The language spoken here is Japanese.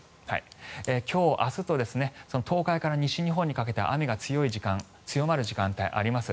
今日、明日と東海から西日本にかけて雨が強い時間強まる時間帯があります。